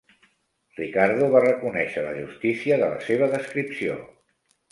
Ricardo va reconèixer la justícia de la seva descripció.